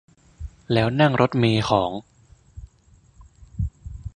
แล้วนั่งรถเมล์ของ